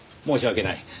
申し訳ない。